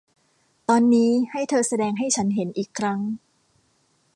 ตอนนี้ให้เธอแสดงให้ฉันเห็นอีกครั้ง